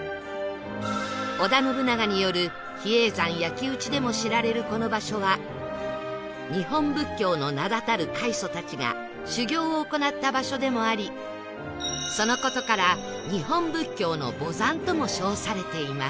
織田信長による比叡山焼き討ちでも知られるこの場所は日本仏教の名だたる開祖たちが修行を行った場所でもありその事から日本仏教の母山とも称されています